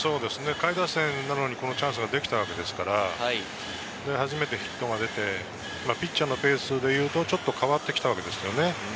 下位打線なのに、このチャンスができたわけですから、初めてヒットが出てピッチャーのペースがちょっと変わって来たわけです。